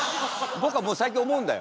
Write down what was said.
僕はもう最近思うんだよ。